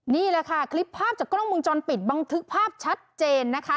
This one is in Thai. นี่แหละค่ะคลิปภาพจากกล้องมุมจรปิดบันทึกภาพชัดเจนนะคะ